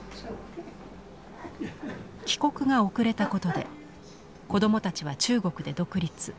帰国が遅れたことで子どもたちは中国で独立。